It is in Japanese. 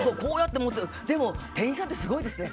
でも店員さんってすごいですね。